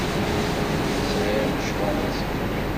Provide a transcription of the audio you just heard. Sɛiɣ lecɣal azekka.